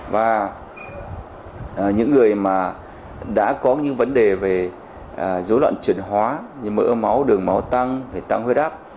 và những người mà đã có những vấn đề về dối loạn chuyển hóa như mỡ máu đường máu tăng phải tăng huyết áp